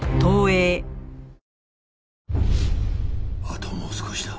あともう少しだ。